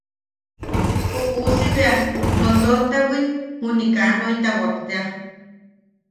Ju uusi bea lotortawi juni kaa noitawak tea.